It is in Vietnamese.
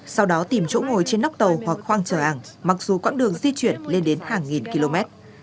sau đó tìm chỗ ngồi trên nóc tàu hoặc khoang trở hàng mặc dù quãng đường di chuyển lên đến hàng nghìn km